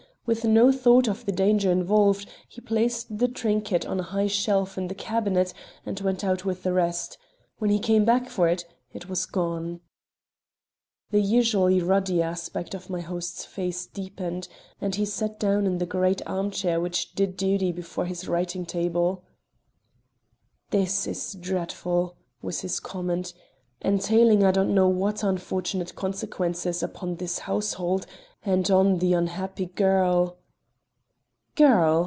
With no thought of the danger involved, he placed the trinket on a high shelf in the cabinet, and went out with the rest. When he came back for it, it was gone." The usually ruddy aspect of my host's face deepened, and he sat down in the great armchair which did duty before his writing table. "This is dreadful," was his comment, "entailing I do not know what unfortunate consequences upon this household and on the unhappy girl " "Girl?"